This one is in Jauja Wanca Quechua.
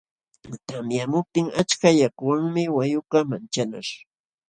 Tamyamuptin achka yakuwanmi wayqukaq manchanaśh.